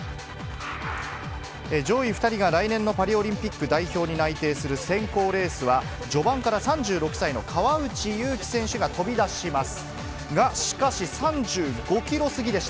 上位２人が来年のパリオリンピック代表に内定する選考レースは、序盤から３６歳の川内優輝選手が飛び出します。